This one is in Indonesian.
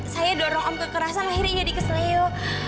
saya dorong om kekerasan akhirnya jadi keseleo